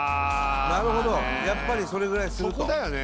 なるほどやっぱりそれぐらいするとそこだよね